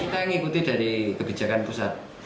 kita yang ikuti dari kebijakan pusat